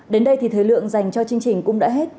đến đây thì thời lượng dành cho chương trình cũng đã hết